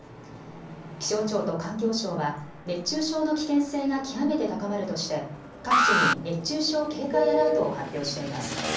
気象庁と環境省は熱中症の危険性が極めて高まるとして各地に熱中症警戒アラートを発表しています。